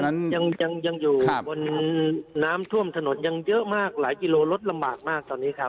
ยังยังอยู่บนน้ำท่วมถนนยังเยอะมากหลายกิโลรถลำบากมากตอนนี้ครับ